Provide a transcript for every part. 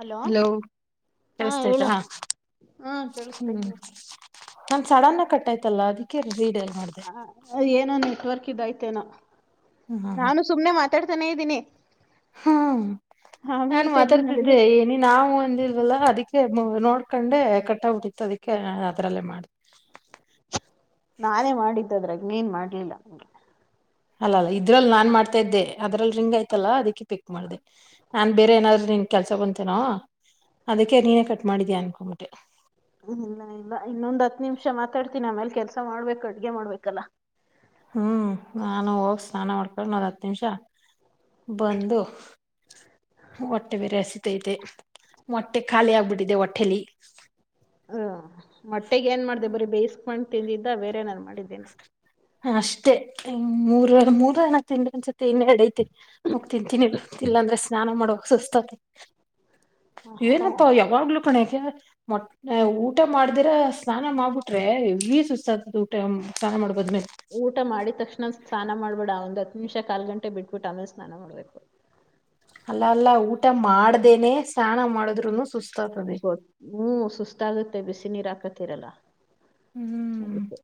Hello hello ಹಾ ಕೇಳಿಸತೈತಾ ಹೇಳು ಹಾ ಕೇಳಿಸ್ತೇತೆ. ನಾನ್ ಸಡನ್ನ ಕಟ್ಟಾಯ್ತಲ್ಲಾ ಅದಕ್ಕೆೇ. ಹ ಏನ ನೆಟ್ವರ್ಕ್ ಇಲ್ಲ ಇದಯ್ತೆನು ಹ್ಮ್ ಹ್ಮ್ ಹ್ಮ್ ನಾನು ಸುಮ್ನೆ ಮಾತಾಡ್. ತನೇ ದಿನಿ ಹ್ಮ್ ನಾನು ತೆಗ್ದ್ ಮಾತಾಡ್ತಿದ್ದೆ ನೋಡಿದ್ರೆ ಏನಿ ನಾವು ಒಂದಿಲ್ವಲ್ಲ ಅದಕ್ಕೆ. ನೋಡ್ಕೊಂಡೆ ಕಟ್ಟ ಆಗಿ ಬಿಟ್ಟಿತು ಅದಿಕ್ಕೆ ಅದ್ರಲ್ಲೇ ಮಾಡದೆ ಇಏನ್ ಮಾಡ್ಲಿಲ್ಲ ನಿಮ್ಗೆ. ಅಲ್ಲ ಅಲ್ಲ ಇದ್ರಲ್ಲಿ ನಾನ್ ಮಾಡ್ತಾ ಇದ್ದೆ ಅದ್ರಲ್ಲಿ ರಿಂಗ್ ಆಯ್ತಲ್ಲ ಅದಕ್ಕಿ. ಪಿಕ್ ಮಾಡಿದೆ ನಾನ್ ಬೇರೆ ಏನಾದ್ರು ನಿ ಕೆಲ್ಸ ಬಂತೇನೋ ಅದಕ್ಕೆ ನೀನೇ ಕಟ್ ಮಾಡಿದೀಯ ಅನ್ಕೊಂಬಟ್ಟೆ. ್ಮ ಇಲ್ಲ ಇಲ್ಲ ಇನ್ನೊಂದ್ ಹತ್ ನಿಮಿಷ ಮಾತಾಡ್ತೀನಿ ಆಮೇಲೆ ಕೆಲ್ಸ ಮಾಡ್ಬೇಕು ಅಡ್ಗೆ ಮಾಡ್ಬೇಕಲ್ಲ. ಹ್ಮ್ ನಾನು ಹೋಗ ಸ್ನಾನ ಮಾಡ್ಕೊಂಡ ನದ್ ಹತ್ ನಿಮಿಷ ಬಂದು ಒಟ್ಟೆ ಬಿರಸ ಮೈತೆ ಮೊಟ್ಟೆ ಖಾಲಿ ಆಗ್ಬಿಟ್ಟಿದೆ ಹೊಟ್ಟೆಲಿ. ಮೊಟ್ಟೆಗ ಏನ್ ಮಾಡ್ದ ಬರೀ ಬೇಯಸ್ಕೊಂಡ ತಿಂದಿದ್ದ ಬೇರೆ ಏನನ್ ಮಾಡಿ. ನ ಅಷ್ಟೇ ಮೂರು ಮೂರು ಹಣ ತಿಂಡಿನ್ಸ ಇನ್ನ ಎರಡ್ ಐತಿ ಹೋಗ್ ತಿಂತೀನಿ ಇಲ್ಲಾಂದ್ರೆ ಸ್ನಾನ ಮಾಡುವ. ಸುಸ್ತಕತ್ತೆ ಹ ಇವೇನಪ್ಪ ಯಾವಾಗ್ಲು ಣಕ್ಕೆ ಮ ಊಟ ಮಾಡ್ದಿರ ಸ್ನಾನ ಮಾಡ್ಬಿಟ್ರೆ ಹೆವಿ ಸುಸ್ತ ಆತದ ಊಟ. ಸ್ನಾನ ಮಾಡಬೇಕು ಊಟ ಮಾಡಿ ತಕ್ಷಣ ಸ್ನಾನ ಮಾಡ್ಬೇಡ ಅವಂದ ಹತ್ತು ನಿಮಿಷ ಕಾಲ್ ಗಂಟೆ ಬಿಟ್ಬಿಟ್ಟು ಆಮೇಲೆ ಸ್ನಾನ ಮಾಡ್ಬೇಕು. ಅಲ್ಲ ಅಲ್ಲಾ ಊಟ ಮಾಡ್ದೇನೆ ಸ್ನಾನ ಮಾಡುದರುನು ಸುಸ್ತ ಗೊ ಹ್ಮ್ ಸುಸ್ತಾಗುತ್ತೆ ಬಿಸಿ. ನೀರಾಕತರಲ್ಲ ಹಾಗಕ್ಕೆ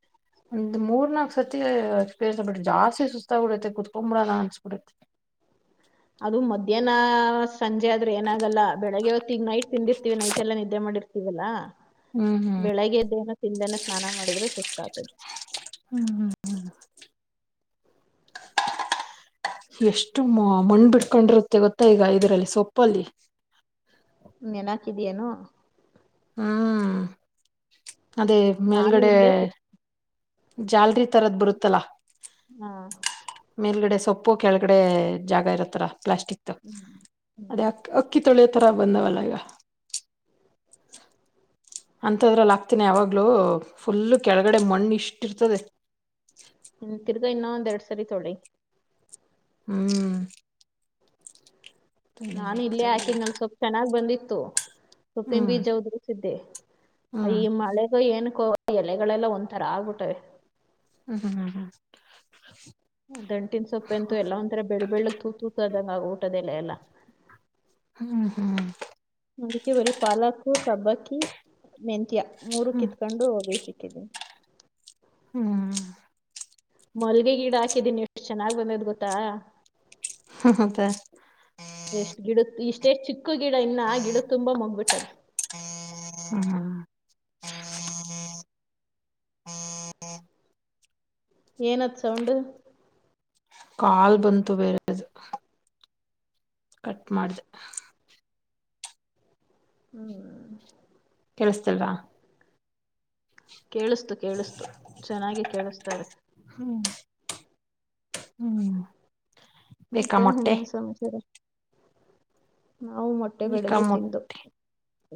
ಇದು ಮೂರ್ ನಾಕು ಸತಿಪೇರ್ಸ್ ಬಿಟ್ಟು ಜಾಸ್ತಿ ಸುಸ್ತ ಬಿಡತ್ತೆ ಕುತ್ಕೊಬಿಡೋಣ ಅನ್ಸ್ಬಿಡತ್ತೆ. ಅದು ಮಧ್ಯಾಹ್ನ ಸಂಜೆ ಆದ್ರೆ ಏನಾಗಲ್ಲ ಬೆಳಗ್ಗೆವತ್ತು ಈಗ ನೈಟ್ ತಿಂದಿರ್ತೀವಿ ನೈಟ್ಲ್ಲ ನಿದ್ದೆ ಮಾಡಿರ್ತವಿ. ಇವಲ್ಲಾ ಹ್ಮ್ ಬೆಳಿಗ್ಗೆ ಎದ್ದೇನ ತಿಂದನೆೇ ಸ್ನಾನ ಮಾಡಿದ್ರೆ ಸುಸ್ತ ಆತದೆ ಹ್ಮ್ ಹ್ಮ್ ಹ್ಮ್ ಎಷ್ಟು ಮಣ್ ಬಿಿಡ್ಕೊಂಡಿರುತ್ತೆ ಗೊತ್ತ ಈಗ ಇದ್ರಲ್ಲಿ ಸೊಪ್ಪಲ್ಲಿ ನೆನ ಹಕಿದಯನೋ ಹಾ ಅದೇ ನಾನು ಮೇಲ್ಗಡೆ ಇಲ್ಲೇ ಕಿತ್~ ಜಲ್ರಿ ತರದ್ ಬರುತ್ತಲಾ ಹಾ ಮೇಲ್ಗಡೆ ಸೊಪ್ಪ ಒಪ್ಪೋ ಕೆಳಗಡೆ ಜಾಗ ಇರತ್ತರ ಪ್ಲಾಸ್ಟಿಕ್ ಅದೇ ಅ ಅಕ್ಕಿ ತೊಳಿಯ ತರ ಬಂದಾವಲಗ ಅಂತದ್ರಲ್ಲ ಆಾಕ್ತನ ಯಾವಾಗ್ಲುೂ ಫುಲ್ಲ ಕೆಳಗಡೆ ಮಣ್ಣು ಇಷ್ಟ ಇರ್ತದೆ ಹ್ಮ್ ತಿ ಇನ್ನ ದೇಡ್ ಸರಿ ಥೋಡ ಹ್ಮ್ ನಾನನ್ ತೊಳಿಬೇಕು ಇಲ್ಲೇ ತೊಳಿಬೇಕು ಹಾಕಿದ್ನಲ್ ಸ್ವಲ್ಪ್ ಚೆನ್ನ್ ಬಂದಿ ತ ಸಪ್ಪಿಿನ ಹ್ಮ್ ಬೀಜ ಉದು್ರಸಿದ್ದೆ ಹ್ಮ್ ಈ ಮಳೆಗೂ ಏನ್ ಕೋ ಆ ಎಲೆಗಳೆಲ್ಲಾ ಒಂಥರ ಆಗ್ಬಿಟ್ಟವೆ ಹ್ಮ್ ಹ್ಮ್ ಹ್ಮ್ ಹ್ಮ್ ದಂಟಿನ ಸೊಪ್ಪೆ ಅಂತು ಎಲ್ಲ ಒಂರ ಬೆಳ ಬೆಳಳ್ಳಕ್ ತೂ ತೂತ ಅದಂಗ ಆ ಊಟದದೆ ಇಲ್ಲಲ್ಲ ಹ್ಮ್ ಹ್ಮ್ ಅದಕ್ಕೆ ಬರಿೀ ಪಾಲಾಕುಟ್ ಸಬ್ಬಕ್ಕಿ ಮೆತ್ಯ ಮೂರು ಹ್ಮ್ ಕಿತ್ಕೊಂಡು ಹಬಿ ಸಿಕ್ಕಿದವಿ ಹ್ಮ್ ಮಲ್ಗೆ ಗಿಡ ಹಾಕಿದ್ದೀನಿಷ್ಟು ಚೆನ್ನಾಗಾಗಿ್ ಬಂದೋದ್ ಗೊತ್ತಾ ಹತ್ತ ತಚ್ಚಿ ಉಕ್ಕು ಗಿಡ ಇನ್ನ ಗಿಡ ತುಂಬಾ ಮಂಗ್ಬಿಟ್ಟದೆ ಹ ಹ ಹ ಹ್ಮ ಏನತ್ ಸೌಂಡ್ ಕಾಲ್ ಬಂತು ಬೇರೆ ಕಟ್ ಮಾಡ್ದ ಹ್ಮ್ ಿಸ್ತಲ್ವಾ ಕೇಳಿಸ್ತು ಕೇಳಿಸ್ತು ಚೆನ್ನಾಗಿ ಕೇಳಿಸ್ತಾರೆ ಹ್ಮ್ ಹ್ಮ್ ಬೇಕಾ ತ್ತೆ ಮೊಟ್ಟೆ ಹಿನ್ನೇನ ಸಮಾಚಾರ. ಹ್ಮ್ಮ್. [inaudible] ನಾವು ಮೊಟ್ಟೆ ಬೇಕಾ ಬೆಳಗ್ಗೆ ಮೊಟ್ಟೆ ತಿಂದು.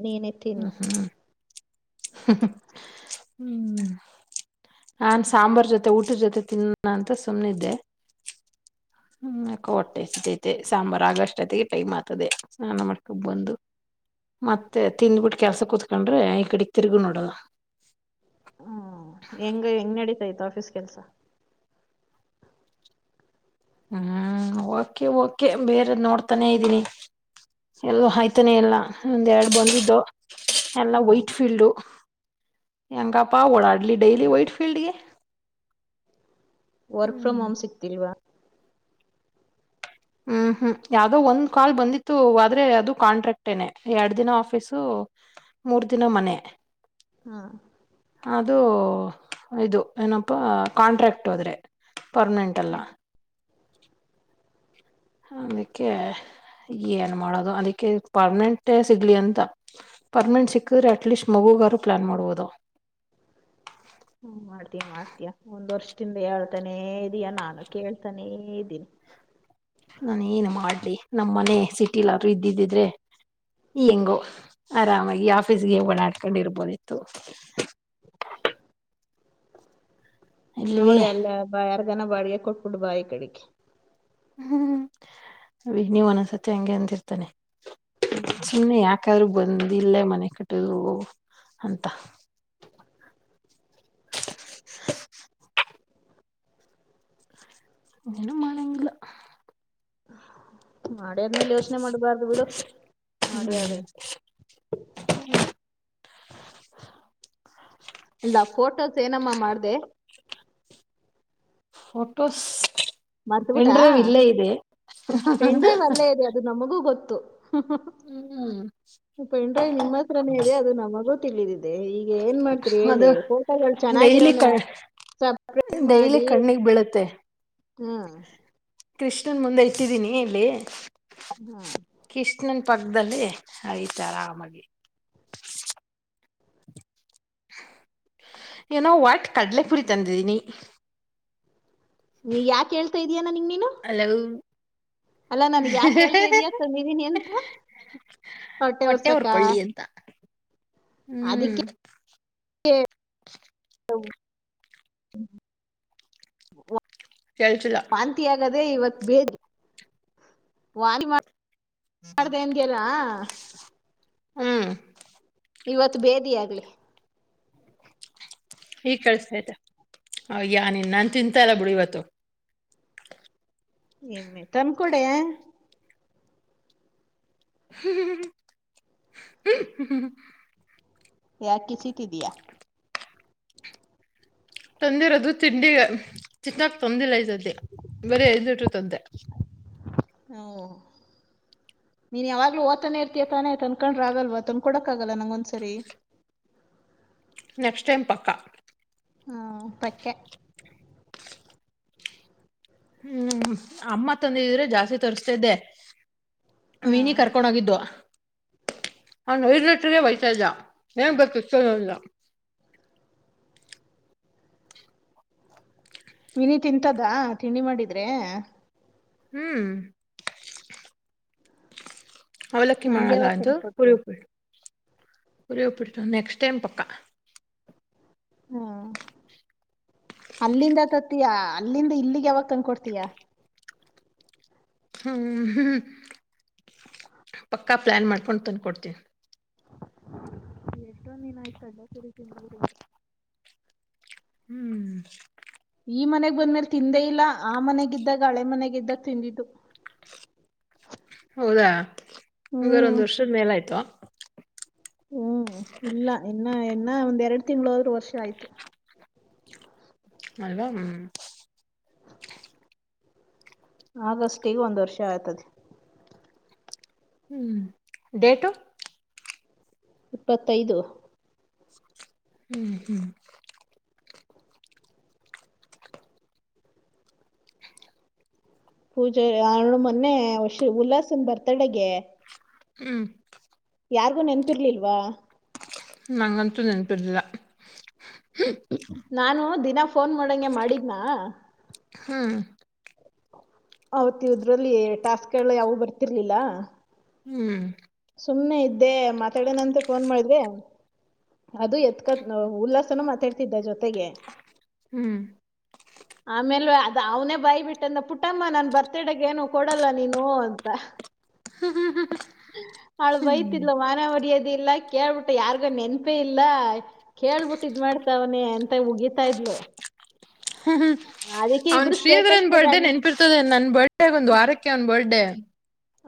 ನೀನೆ ಹ್ಮ್ ತಿನ್ನು. ಹ್ಮ್ ನಾನ್ ಸಾಂಬಾರ್ ಜೊತೆ ಊಟದ ಜೊತೆ ತಿನ್ನಣ ಅಂತ ಸುಮ್ನಿದ್ದೆ ಹ್ಮ ಯಾಕೊ ಹೊಟ್ಟೆ ಹಸಿತೈತೆ ಸಾಂಬಾರ್ ಆಗಸ್ಟೊತಿಗೆ ಟೈಮ್ ಆತದೆ ಸ್ನಾನ ಮಾಡ್ಕಂಡ ಬಂದು ಮತ್ತೆ ತಿಂದ್ಬಿಟ್ಟು ಕೆಲ್ಸ ಕೂತ್ಕೊಂಡ್ರೆ ಈ ಕಡಿ. ತಿರುಗುನೋಡಲ್ಲ. ಹ್ಮ ಹೆಂಗ ಹೆಂಗ್ ನಡೀತಾ ಇತ್ತು ಆಫೀಸ್ ಕೆಲ್ಸ. ಹ್ಮ್ ಓಕೆ ಓಕೆ ಬೇರೆ ನೋಡ್ತಾನೇ ಇದ್ದೀನಿ ಎಲ್ಲೋ ಆಯ್ತಾನೆ ಎಲ್ಲ ಒಂದ್ ಎರಡ ಬಂದಿದ್ದು. ಎಲ್ಲ ಹ್ಮ್ ವೈಟ್ ಫೀಲ್ಡು. ಹೆಂಗಪ್ಪಾ ಓಡಾಡಿ- ಲಿ ಡೈಲಿ ವೈಟ್ ಪಿಲ್ಡಿಗೆ. ವರ್ಕ್ ಫ್ರಮ್ ಹೋಮ್ ಸಿಗ್ತಿಲ್ವಾ. ಹ್ಮ್ ಹ್ಮ್ ಯಾವ್ದೋ ಒಂದ್ ಕಾಲ್ ಬಂದಿತ್ತು ಆದ್ರೆ ಅದು ಕಾಂಟ್ರಾಕ್ಟ ನೆ ಎರಡ್ ದಿನ ಆಫೀಸು ಮೂರ್ ದಿನ ಮನೆ. ಹಾ ಇದು ಇದು ಏನಪ್ಪಾ ಕಾಂಟ್ರಾಕ್ಟ್ ಹೋದ್ರೆ. ಪರ್ಮನೆಂಟ್ ಅಲ್ಲ. ಅದಕ್ಕೆ ಏನ್ ಮಾಡೋದು ಅದಕ್ಕೆ ಪರ್ಮನೆಂಟೇ ಸಿಗ್ಲಿ ಅಂತ ಪರ್ಮನೆಂಟ್ ಸಿಕ್ಕಿದ್ರೆ ಅಟ್ಲೀಸ್ಟ್ ಮಗುಗಾರರು ಪ್ಲಾನ್ ಮಾಡಬಹುದು. ಹ್ಮ ಮಾಡ್ತೀಯ ಮಾಡ್ತೀಯಾ ಒಂದ್ ವರ್ಷದಿಂದ ಹೇಳ್ತಾನೇ ಇದೀಯ ನಾನು ಕೇಳ್ತಾನೇ ಇದ್ದೀನಿ. ನಾನ ಏನ್ ಮಾಡ್ಲಿ ನಮ್ಮ ಮನೆ ಸಿಟಿಲಾದ್ರು ಇದ್ದಿದ್ದಿದ್ರೆ ಹೆಂಗೋ ಆರಾಮಾಗಿ ಆಫೀಸ್ಗೆ ಹೋಗಣ ಅನ್ಕೊಂಡಿ ಇರ್ಬೋದಿತ್ತು. ಹ್ಮ್ಮ್. [inaudible] ಇಲ್ವೇ ನೋಡಿ ಅಲ್ಲ ಬ ಯಾರ್. ನ ಬಾಡಿಗೆ ಕೊಟ್ಬಿಟ್ಟು ಬಾಯಿ ಕಡಿಕೆ. ಹ್ಮ್ ಅ ವೀಣಿ ಒಂದೋದಸತಿ ಹಂಗೆ ಅಂದಿರ್ತಾನೆ. ಹ್ಮ್ ಸುಮ್ನೆ ಯಾಕ. ಯಾಕಾದ್ರರು ಬಂದ ಇಲ್ಲೇ ಮನೆ ಕಟ್ಟುದ್ರು ಅಂತ. ಹ್ಮ್ಮ್. [inaudible] ಏನು ಮಾಡಂಗಿಲ್ಲ. ಹ ಮಾಡೋದ್ಮೇಲೆ ಯೋಚನೆ ಮಾಡಬಾರ್ದು ಬಿಡು ಮಾಡ್ಯಲೆ - ಅಲ್ಲ ಫೋಟೋಸ್ ಏನಮ್ಮ ಮಾಡ್ದೆ. ಪೋಟೋಸ್. ಮರ್ತ್ಬಿಟ್ರಾ ಪೆಂಡ್ರೈವ ಅಲ್ಲೇ ಇದೆ ಅದು ನಮಗೂ ಗೊತ್ತು. ಹ್ಮ್ ತ್ತು ಪೆನ್ಡ್ರೈವ್ ನಿಮ್ಮ ಹತ್ರನೇ ಇದೆ ಅದು ನಮಗು [unintelligible] ಅದೇ ಈಗ ಏನ್ ಮಾಡ್ತ್ರಿ ಹೇಳಿ ಅದು ಫೋಟೋಗಳು ಡೈಲಿ ಚೆನ್ನಾಗಿರೋನ ಕ ಸಪ್ರೇಟ್ ಡೈಲಿ ಮಾಡಿ ಕಣ್ಣಿಗ್ ಬೀಳುತ್ತೆ ಹ್ ಕೃಷ್ಣನ್ ಮುಂದೆ ಇಟ್ಟಿದ್ದೀನಿ ಇಲ್ಲಿ ಹ್ ಕೃಷ್ಣನ್ ಪಕ್ಕದಲ್ಲಿ ಆಯ್ತಾ ಆರಾಮಾಗಿ ಏನೋ ಒಟ್ ಕಡ್ಲೆಪುರಿ ತಂದಿದ್ದೀನಿ ನೀ ಯಾಕ ಹೇಳ್ತಾ ಇದೀಯಾ ನ್ನನಗ ನೀನು ಅಲ್ಲಾ ನನಗ್ ಯಾಕ್ ಹೇಳ್ತಾ ಇದೀಯ ತಂದಿದೀನಿ ಅಂತ? ಹೊಟ್ಟೆ ಹೊಟ್ಟೆವುರ್ ಉರ್ಸಕ್ಕಾ? ಕೊಳ್ಳಿ ಅಂತಾ ಹ್ಮ್ ಅದಿಕ್ಕೆ [unintelligible] ಕೇಳ್ಸಿಲ್ಲಾ ಅದೇ ಇವತ್ ಬೇದಿ ವಾರ [unintelligible] ಮಾಡ ಮಾಡದೆ ಎನ್ ಗೆಲ್ಲಾ ಹ್ಮ್ ಇವತ್ತು ಬೇದಿಯೋಗ್ಲಿ ಈಗ್ ಕಳ್ಸ ಆಯ್ತಾ ಅಯಾ ನಿನ್ ನಾನ್ ತಿಂತ ಇಲ್ಲಾ ಬಿಡು ಇವತ್ತು ಎಮ್ಮೆ ತಂದಕೊಡೇ [unintelligible] ಯಾಕ ಕಿಸಿತಿದಯಾ ತಂದಿರೋದು ತಿಂಡಿ ತಿನ್ನಕ್ ತಂದಿಲ್ಲ ಈ ಸತಿ ಬರೀ ಐದು ಲೀಟರ ತಂದೆ ಹಓ ನೀನ್ ಯಾವಾಗ್ಲೂ ಓತಾನೆ ಇರ್ತಯ ತಾನೆ ತನ್ಕೊಂಡ್ರ ಆಗಲ್ವಾ ತಂದ್ಕ ಕೊಡಕ್ ಆಗಲ್ಲ ನಂಗೊಂದ್ಸರಿ. ನೆಕ್ಸ್ಟ್ ಟೈಮ್ ಪಕ್ಕಾ ಹಾ ಪಕ್ಕಾ ಹ್ಮ್ ಅಮ್ಮ ತಂದಿದ್ರೆ ಜಾಸ್ತಿ ತರಿಸಸ್ತಿದ್ದೆ ವೀನಿ ಹ್ಮ್ ಕರ್ಕೊಂಡ ಹೋಗಿದ್ದವ ಅವನ್ ಐದು ಲೀಟರ್ರ್ ವಯ್ತಾ ಇದ್ದ ನ್ ಗೊತ್ತ [unintelligible] ಮಿನಿ ತಿಂತದಾ ತಿಂಡಿ ಮಾಡಿದ್ರೆ ಹ್ಮ್ ಅವೌಲಕ್ಕಿ ನನ್ಗೆ ಮಾಡಾಲ ಯಾವಾಗ ಅದು ತಂದ್ಕೊಡ್ತೀಯ ಪೂರಿಪ ಉರಿವುಪಿಟ್ ನೆಕ್ಸ್ಟ್ ಟೈಮ ಪಕ್ಕಾ ಹಾ ಅಲ್ಲಿಂದ ತತಯಾ ಅಲ್ಲಿಂದ ಇಲ್ಲಿಗೆ ಯಾವಾಗ ತಂದ ಕೊಡ್ತೀಯಾ ಹ್ಮ್ ಹ್ಮ್ ಪಕ್ಕಾ ಪ್ಲಾನ್ ಮಾಡ್ಕೊಂಡು ತಂದ್ಕೊಡ್ತೀನಿ ಎಷ್ಟೋ ದಿನಾಆಯ್ತು ಅಲ್ಲ ಕಡಲೇ ಪೂರಿ ತಿಂದು ಹ್ಮ್ ಈ ಮನೆಗ್ ಬಂದ್ಮೇಲೆ ತಿಂದೇ ಇಲ್ಲ ಆ ಮನೆಗಿದ್ದಾಗ ಹಳೆ ಮನೆಗ ಇದ್ದಾಗ ತಿಂದಿದ್ದು ಹೌದಾ ಹಂಗಾರ ಹ್ಮ್ ಒಂದ್ ವರ್ಷದ ಮೇಲ ಆಯ್ತಾ ಹ್ಮ್ ಇಲ್ಲ ಇನ್ನ ಇನ್ನ ಒಂದ್ ಎರಡು ತಿಂಳದ್ರೂ ವರ್ಷ ಆಯ್ತು ಅಲ್ವಾ ಹ್ಮ್ ಆಗಸ್ಟಗ ಒಂದ್ ವರ್ಷ ಆಗ್ತದೆ ಹ್ಮ್ ಡೇಟು ಇಪ್ಪತ್ತೈದು ಹ್ಮ್ ಹ್ಮ್ ಪೂಜೆ ಹು ಮೊನ್ನೆಷ ಉಲ್ಲಾಸನ್ ಬರ್ತಡಗೆ ಹ್ಮ್ ಯಾರಿಗೂ ನೆನ್ಪಿರ್ಲಿಲ್ವಾ ನಂಗ್ ನಂತಂತು ನೆನಪಿರದಿಲ್ಲ ನಾನು ದ ಇನ್ನ ಫೋನ್ ಮಾಡಂಗೆ ಮಾಡಿದ್ನಾ ಹ್ಮ ಅವೌತ್ ಇದ್ರಲ್ಲಿ ಟಾಸ್ಕ್ ಎಲ್ಲ ಯಾವು ಬರ್ತಿರ್ಲಿಲ್ಲ ಹ್ಮ್ ಸುಮ್ನೆ ಇದ್ದೆ ಮಾತಾಡನಂತೆ ಫೋನ್ ಮಾಡೆ ಅದು ಎತ್ಕತ್ ಉಲ್ಲಾಸನ ಮಾತಾಡ್ತಿದ್ದ ಜೊತೆ ಗೆ ಹ್ಮ್ ಆಮೇಲೆ ಅ ಅವನೇ ಬಾಯ್ ಬಿಟ್ಟಂದ ಪುಟ್ಟಮ್ಮ ನನ್ ಬರ್ತಡಗೇನು ಕೊಡಲ್ಲ ನೀನು ಅಂತ ಹ್ಮ್ ಹ್ಮ್ ಹಳ ಭೈ ಹ್ಮ್ ತಿಲು ಮಾನವಡಿಯ ಇಲ್ಲ ಕೇಳ್ಬಿಟ್ಟು ಯಾರಿಗ ನೆನ್ಪ ಪೇ ಇಲ್ಲ ಕೇಳ್ಬಿಟ್ಟ ಇದ್ ಮಾಡ್ತಾವನ ಎಂತ ಉಗೀಿತಾ ಇದ್ಲು ಹ್ಮ್ ಹ್ಮ್ ಅದಕ್ಕೆ ಅವ್ನ್ ಇಬ್ರು ಶ್ರೀಯದ್ರನ್ ಗೆ ಬರ್ಡಡೆ ಗಂ~ ನೆನಪಿರ್ತದೆ ನನ್ ಬರ್ಡ ಆಗ ಒಂದ್ ವಾರಕ್ಕೆ ಅವ್ನ್ ಬರ್ಡೇ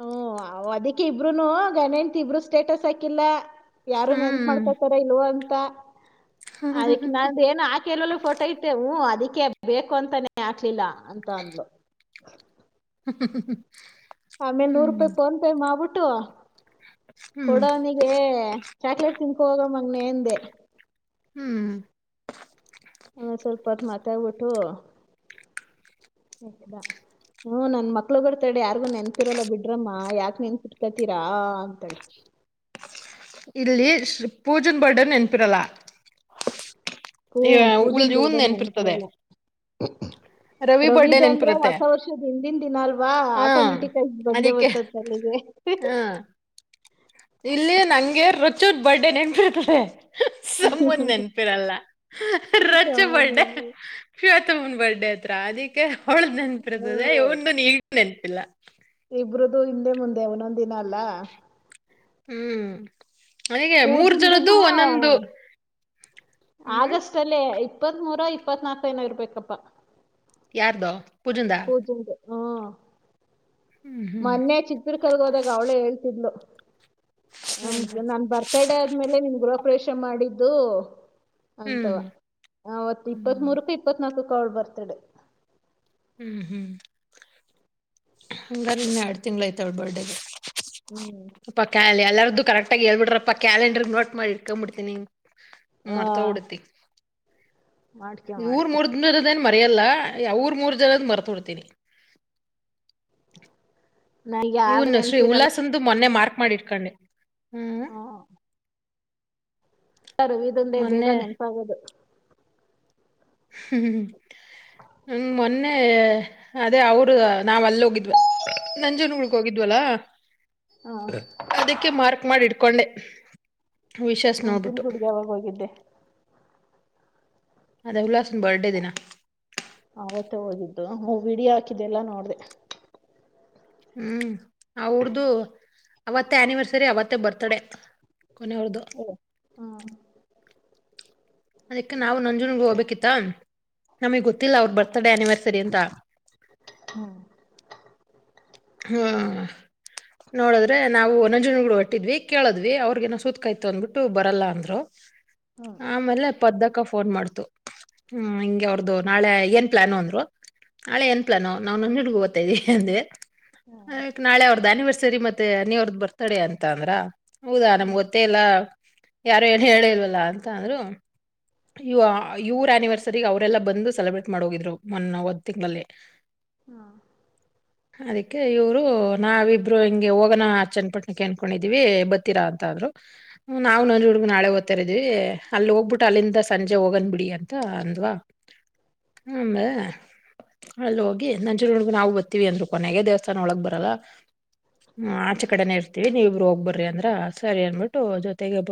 ಹ್ಮ ಅದಿಕ್ಕೆ ಇಬ್ರುೂನು ಗಣತ್ ಇಬ್ರು ಸ್ಟೇಟಸ್ ಹಾಕಿಲ್ಲ ಯಾರನ್ ಎಂತ್ ಹ್ಮ್ ಮಾಡ್ಕಾತಾರ ಇಲ್ವ ಅ ಬ ಹ್ಮ್ ಅದಕ್ಕೆ ನಾ ಏನ ಆ ಕೆಲಲ್ಲ ಫೋಟೋ ಇತೆೇವು ಅದಕ್ಕೆ ಬೇಕು ಅಂತಾನೇ ಆಕ್ಲಿಲ್ಲ ಅಂತ ಅಂದ್ಲು ಹ ಆಮೇಲೆ ನೂರು ರೂಪಾಯಿ ಫೋನ್ ಪೇ ಮಾಡಬಿಟ್ಟು ಹಟ್ಟುವ ಹ್ಮ್ ಕೊಡವನಿಗೆ ಚಾಕ್ಲೇಟ್ ತಿನ್ಕೊ ಹೋಗ ಮಗ್ನ ಎಂದೆ ಹ್ಮ್ ಆ ಸ್ವಲ್ಪತ್ ಮಾತ ಆಗ್ಬಿಟ್ಟು ಹದಾ ಹ್ಮ ನನ್ ಮಕ್ಳ ಬರ್ತಾಡೆ ಯಾರಿಗು ನೆನ್ಪಿರಲ್ಲ ಬಿಡ್ ರಮ್ಮ ಯಾಕ ನೆನ್ಪಿ ತತೀರಾ ಅಂತಾಳೆ ಇಲ್ಲಿ ಪೂಜನ್ ಬರ್ಡನ್ ನೆನ್ಪಿರಲ್ಲ ಹ್ಞೂ ಈ ಉಲ್ ಹನ್ ನೆನ್ಪಿ ಇರ್ತದೆ ಹ್ಮ ರವಿದು ಅಂದ್ರೆ ಹೊಸ ವರ್ಷದ ಹಿಂದ ದನ್ ದಿನ ಅಲ್ವಾ ಹಾ ಆಟೋಮೆಟಿಕ್ಗ ಬಂದೇ ಅದಕ್ಕೆ ಬೊತ್ತತ್ ಅಲ್ಲಿಗೆ ಹಾ ರೊಚ್ಚೋ ಬರ್ಡೇ ನೆಮಪರ್ತದೆ. ಸಮ್ಮನ್ ನೆನಪಿರಲ್ಲ ರಜ ಹೌದೌದು ಬರ್ಡೆ ಬರ್ಡೇ ಹತ್ರ ಅದಕ್ಕೆ ಹೊಳ್ದ ನೆನಪ್ ಇರ್ತದೆ ಹ್ಮ್ ಇವಂದು ಮೆ ಟೆನ್ ಇಲ್ಲ. ಇಬರದು ಹಿಂದೆ ಮುಂದೆ ಒಂದೊಂದ್ ದಿನ ಅಲ್ಲ. ಹ್ಮ್. ಅಗೆ ಮೂರ್ ಜನದ್ದು ಒಂದೊಂದು ಹ್ಮ್ ಆಗಸ್ಟ್ ಅಲ್ಲೇ ಇಪ್ಪತ್ತ್ ಮುರ ಇಪ್ಪತ್ನಾಲ್ಕ ನ ಇರ್ಬೇಕಪ್ಪಾ. ಯಾರದ ಪುಜಂದ ಪೂಜನ್ದು ಹ್ಮ್ ಹ್ಮ್ ಮೊನ್ನೆ ಚಿತ್ರರ್ ಕಲ್ಗ್ ಹೋದಾಗ ಅವ್ಳೇ ಹೇಳ್ತಿದ್ಲು. ನಮ್ ಹೌದಾ ನನ್ ಬರ್ತಡೆ ಆದ್ಮೇಲೆ ನಿಮ್ ಗರ್ ಆಪರಷ ಮಾಡಿದ್ದು ಅಂತವ ಹ್ಮ್ ಅವ ಅವತ್ ಇಪ್ಪತ್ ಹ್ಮ್ ಮೂರಕ ಇಪ್ಪತ್ನಾಲ್ಕ ಗೋಳ್ ಬರ್ತ್ಡೇ. ಹ್ಮ್ ಹ್ಮ್ ಹಂಗಾರ ಇನ್ನ ಎಡ್ ತಿಂಗಳ ಐ್ತವಳ ಬರ್ಡೇ. ಹ್ಮ್ ಪಕ್ಕಾಯಲ್ಲಿ ಎಲ್ಲ ಅದು ಕರೆಕ್ಟಾಗಿ ಹೇಳ್ಬಿರಪ್ಪ ಕಾಲಂಡ್ರರ್ ನೋಟ್ ಮಾಡಿ ಇಡ್ಕೊಂಬಿತೀನಿ. ಆ ಮರ್ತ ಹೋಗಿ ಬಿಡತಿ. ಮಾಡ್ಕ್ಯೊ ನೀ ಊರ್ ಮಾಡ್ಕ್ಯೊ ಮೂರ್ದದನ ಮರೆಯಲ್ಲ ಅವರ್ ಮೂರ್ ಜನದ ಮರ್ತೊಡ್ತೀನಿ. ನಂಗ್ಯಾರ್ದು ಇವನ್ ಶ್ರೀ ನೆನ್ಪಿರಲ್ಲ ಉಲ್ಲಾಸಂದು ಮೊನ್ನ ಮಾರ್ ಮಾಡಿರ್ಕೊಂಡು ಹ್ಮ್. ರವಿದಂದೆ ಬೇಗ ಮೊನ್ನೆ ನೆನಪಾಗೋದು. ಹ್ಮ್ ಹ ಮೊನ್ನೆ ಅದೇ ಅವರ ನಾವ್ ಅಲ್ಲ ಹೋಗಿದ್ವ ನಂಜನ್ ಗುಡ್ಕ ಹೋಗಿದ್ವಲ್ಲ. ಆ ಅದಕ್ಕೆ ಮಾರ್ಕ್ ಮಾಡಿ ಇಡ್ ಹಕೊಂಡೆ ಅಂಜುನ್ ಗುಡ್ಗೆ ಯವಾಗ ಹೋಗಿದ್ದೆ. ಅದ ಉಲ್ಲಾಸ ಬರ್ಡೆ ದಿನ ಆವತ್ತೇ ಹೋಗಿದ್ದು ಮೂ ಬಿಡ ಹಾಕಿದ್ದೆ ಅಲ್ಲ ನೋಡ್ದೆ ಹ್ಮ್ ಅವ್ರ್ದ ಅವತ್ತೇ ಆನಿವರ್ಸರಿ ಅವತ್ತೇ ಬರ್ತ್ಡೇ ಕೊನೆಯವ್ರದು. ಹ್ಮ್ ಅದಕ್ಕೆ ನಾವು ನಂಜುನ್ಗ ಹೋಗ್ಬೇಕಿತ್ತ ನಮಗ್ ಗೊತ್ತಿಲ್ಲ ಅವ್ರ ಬರ್ತ್ಡೇ ಆನಿವರ್ಸರಿ ಅಂತ ಹ್ಮ್ ಹ್ಮ ನೋಡಿದ್ರೆ ನಾವು ನಂಜುನಗ್ಗಳು ಹೊಟ್ಟಿದ್ವಿ ಕೇಳದ್ವಿ ಅವ್ರಗೇನೋ ಸೂತಕಾಯ್ತ ಅಂದ್ಬಿಟ್ಟು ಬರಲ್ಲ ಅಂದ್ರು ಹ್ಮ್ ಆಮೇಲೆ ಪದ್ದಕ್ಕ ಫೋನ್ ಮಾಡ್ತು ಹ್ಮ್ ಹಿಂಗೆ ಅವ್ರ್ದು ನಾಳೆ ಏನ್ ಪ್ಲಾಾನು ಅಂದ್ರು ನಾಳೆ ಏನ್ ಪ್ಲಾನು ನಾವು ನಂಜು ಹುಡ್ಗ ಓ್ತಾ ಇದ್ವಿ ಅಂದವಿ ಆತ್ ನಾಳೆ ಅವ ಅನಿವರ್ಸರಿ ಮತ್ತೆ ಅನಿ ಅವ್ರದ ಬರ್ತಡೇ ಅಂತ ಅಂದ್ರ ಹೌದಾ ಹ್ಮ್. ನಮ್ಗ್ ಗೊತ್ತೇ ಇಲ್ಲ ಯಾರು ಏನ್ ಹೇಳೇ ಇಲ್ವಲ್ಲಾ ಅಂತ ಅಂದ್ರು ಇ ಇವ್ರ ಆನಿವರ್ಸರಿ ಅವರೆಲ್ಲಾ ಬಂದು ಸೆಲೆಬ್ರೇಟ್ ಮಾಡ ಹೋಗಿದ್ರು ಮೊನ್ನ ಒಂದ್ ತಿಂಗಳಲ್ಲಿ ಹಾ ಅದಕ್ಕೆ ಇವ್ರು ನಾವಿಬ್ರು ಹಿಂಗೆ ಹೋಗೋಣ ಚನ್ನಪಟ್ಣಕ್ಕೆ ಅನ್ಕೊಂಡಿದಿವವಿ ಬತ್ತೀರಾ ಅಂತಂದ್ರು ನಾವವು ನೊಜ ಹುಡ್ಗ ನಾಳೆ ಓ್ತಾಾರಿದೀವಿ ಅಲ್ಲಿ ಹೋಗ್ಬಿಟ್ಟು ಅಲ್ಲಿಂದ ಸಂಜೆ ಹೋಗನ್್ ಬಿಡಿ ಅಂತ ಅಂದ್ವಾ ಹಮ್ಮ ಅಲ್ಲಿ ಹೋಗಿ ನಂಚೂರು ಹುಡ್ಗ ನಾವು ಬರ್ತೀವಿ ಅಂದರು ಕೊನೆಗೆ ದೇವಸ್ಥಾನ ಒಳಗ್ ಬರಲ್ಲ ಹ್ಮ್ ಆಚೆ ಕಡೆನೇ ಇರ್ತೀವಿ ನೀವಬ್ರು ಹೋಗ್ಬರ ಅಂದ್ರ ಸರಿ ಅನ್ಟ್ಟು ಜೊತೆಗೆ